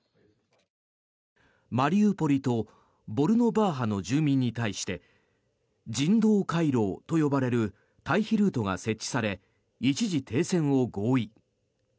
マリウポリとボルノバーハの住民に対して人道回廊と呼ばれる退避ルートが設置され一時停戦を合意。